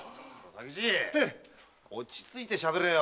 佐吉落ち着いてしゃべれよ。